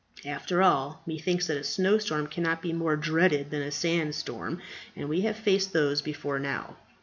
After all, methinks that a snowstorm cannot be more dreaded than a sandstorm, and we have faced those before now."